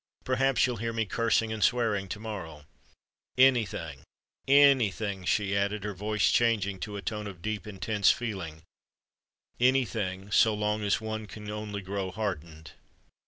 Perhaps you'll hear me cursing and swearing to morrow! Any thing—any thing," she added, her voice changing to a tone of deep, intense feeling,—"any thing, so long as one can only grow hardened!"